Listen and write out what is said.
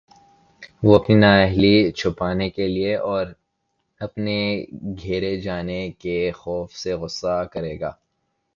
وہ اپنی نااہلی چھپانے کے لیے اور اپنے گھیرے جانے کے خوف سے غصہ کرے گا